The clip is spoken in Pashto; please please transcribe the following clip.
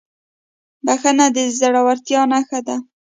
بښنه د زړهورتیا نښه ده.